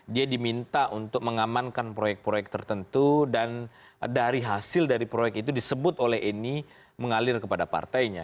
dia diminta untuk mengamankan proyek proyek tertentu dan dari hasil dari proyek itu disebut oleh ini mengalir kepada partainya